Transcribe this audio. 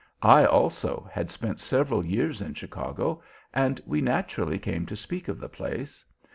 I also had spent several years in Chicago, and we naturally came to speak of the place.